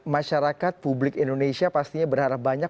masyarakat publik indonesia pastinya berharap banyak